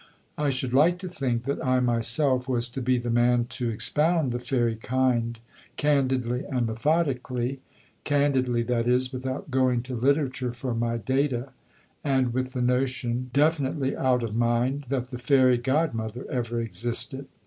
I should like to think that I myself was to be the man to expound the fairy kind candidly and methodically candidly, that is, without going to literature for my data, and with the notion definitely out of mind that the fairy God mother ever existed.